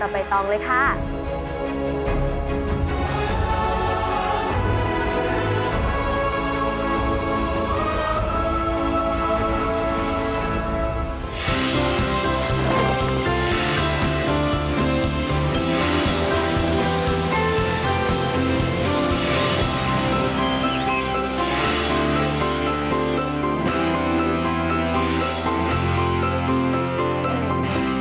โปรดติดตามตอนต่อไป